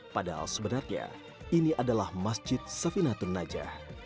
padahal sebenarnya ini adalah masjid safinatun najah